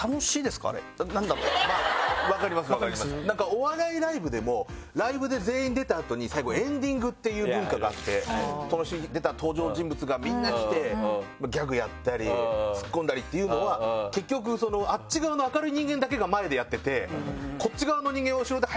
お笑いライブでもライブで全員出た後に最後エンディングっていう文化があってその日出た登場人物がみんな来てギャグやったりツッコんだりっていうのは結局あっち側の明るい人間だけが前でやってて。